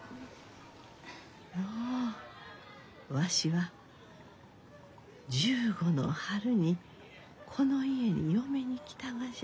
のうわしは１５の春にこの家に嫁に来たがじゃ。